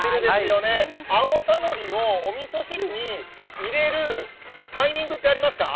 青さのりをおみそ汁に入れるタイミングってありますか？